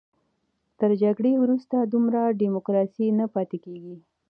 تر جګړې وروسته دومره ډیموکراسي نه پاتې کېږي.